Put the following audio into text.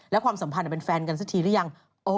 แล้วความสัมพันธ์เป็นแฟนกันสักทีหรือยัง